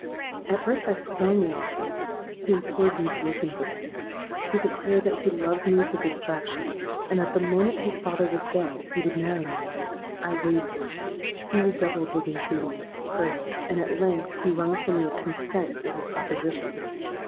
At first I scorned the offer: he implored me to listen to him; he declared that he loved me to distraction, and that the moment his father was dead he would marry me. I wavered—he redoubled his entreaties, prayers; and at length he wrung from me a consent to his proposition!